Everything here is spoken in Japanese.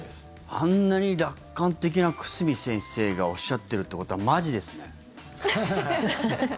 あんなに楽観的な久住先生がおっしゃっているってことはマジですね。